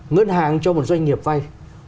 ngân hàng cho một doanh nghiệp vay